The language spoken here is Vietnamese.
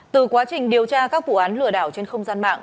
từ quá trình điều tra các vụ án lừa đảo trên không gian mạng